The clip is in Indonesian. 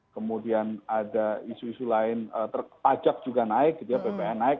kemudian ada isu isu lain pajak juga naik gitu ya bpn naik